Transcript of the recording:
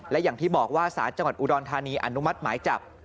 และอย่างที่บอกว่าสารจังหวัดอุดรธานีอนุมัติหมายจับ